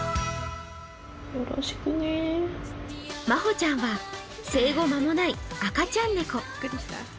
まほちゃんは生後間もない赤ちゃん猫。